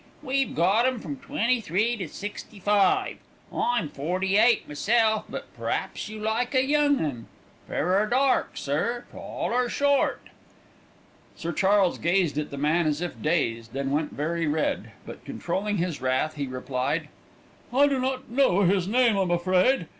"We've got 'em from twenty three to sixty five. I'm forty eight meself, but p'r'aps you'd like a young 'un. Fair or dark, sir, tall or short?" Sir Charles gazed at the man as if dazed, then went very red, but controlling his wrath he replied: "I do not know his name, I'm afraid.